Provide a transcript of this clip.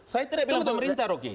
saya tidak bilang pemerintah rocky